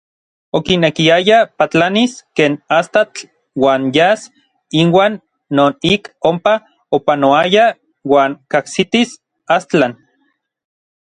Okinekiaya patlanis ken astatl uan yas inuan non ik onpa opanoayaj uan kajsitis Astlan.